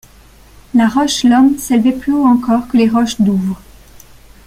La roche l’Homme s’élevait plus haut encore que les roches Douvres.